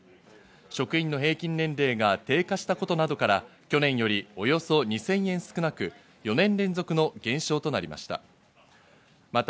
職員の平均年齢が低下したことなどから、去年よりおよそ２０００円少なく、４年連続の減少となりました。